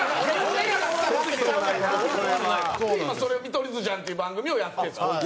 で今『見取り図じゃん』っていう番組をやってるんです。